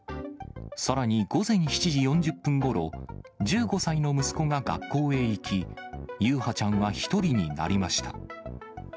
さらに、午前７時４０分ごろ、１５歳の息子が学校へ行き、優陽ちゃんは１人になりました。